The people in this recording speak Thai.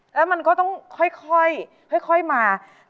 แล้วมันก็ต้องค่อยมา